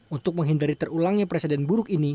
untuk menghindari terulangnya presiden buruk ini